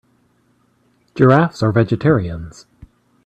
Giraffes are vegetarians.